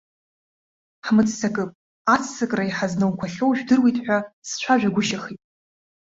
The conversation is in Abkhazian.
Ҳмыццакып, аццакра иҳазнауқәахьоу жәдыруеит ҳәа сцәажәагәышьахит.